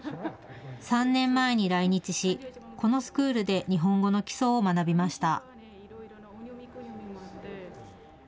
３年前に来日し、このスクールで日本語の基礎を学びました。